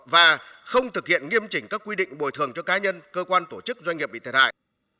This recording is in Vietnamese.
và không thực hiện nghiêm chỉnh các quy định bồi thường cho cá nhân cơ quan tổ chức doanh nghiệp bị thiệt hại